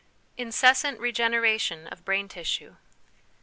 Incessant Regeneration of Brain Tissue.